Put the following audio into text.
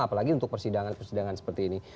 apalagi untuk persidangan persidangan seperti ini